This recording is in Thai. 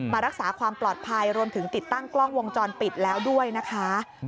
มารักษาความปลอดภัยรวมถึงติดตั้งกล้องวงจรปิดแล้วด้วยนะคะ